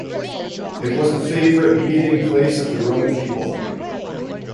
It was the favorite meeting place of the Roman people.